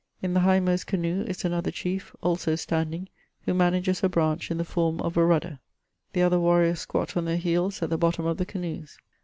In the hindmost canoe is another chief, also standing, who manages a branch in the form of a rudder. The other warriors squat on their heels at the bottom of the canoes.